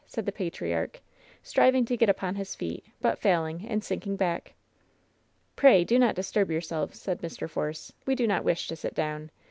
said the patriarch, striving to get upon his feet, but failing, and sinking back. "Pray do not disturb yourself," said Mr. Force. "We do not wish to sit down.